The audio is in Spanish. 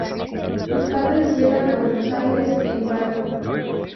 Sus padres llegan a Buenos Aires en barco.